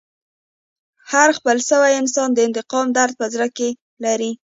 هر خپل سوی انسان د انتقام درد په زړه کښي لري.